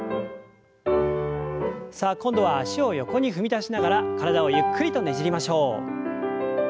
さあ今度は脚を横に踏み出しながら体をゆっくりとねじりましょう。